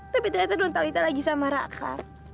tapi ternyata nontalita lagi sama raka